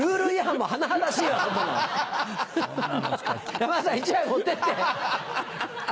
山田さん１枚持ってって！ハハハ！